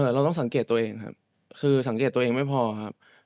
เราต้องสังเกตตัวเองครับคือสังเกตตัวเองไม่พอครับ